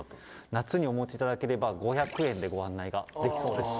夏にお持ちいただければ５００円でご案内ができそうです。